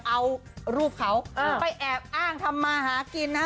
เอารูปเขาไปแอบอ้างทำมาหากินนะฮะ